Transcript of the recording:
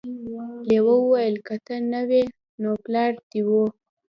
لیوه وویل که ته نه وې نو پلار دې و.